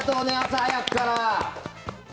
朝早くから。